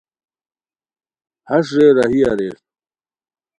ہݰ رے راہی اریر